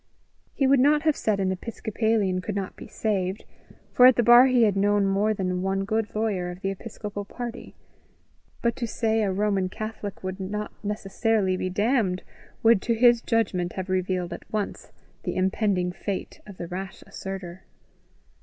He would not have said an Episcopalian could not be saved, for at the bar he had known more than one good lawyer of the episcopal party; but to say a Roman Catholic would not necessarily be damned, would to his judgment have revealed at once the impending fate of the rash asserter.